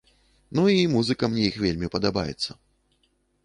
Ну, і музыка мне іх вельмі падабаецца.